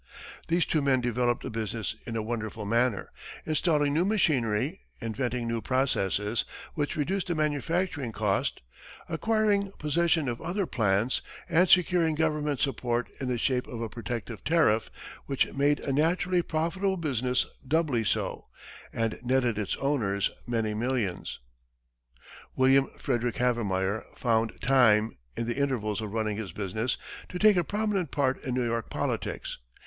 These two men developed the business in a wonderful manner, installing new machinery, inventing new processes, which reduced the manufacturing cost, acquiring possession of other plants and securing government support in the shape of a protective tariff, which made a naturally profitable business doubly so, and netted its owners many millions. William Frederick Havemeyer found time, in the intervals of running his business, to take a prominent part in New York politics.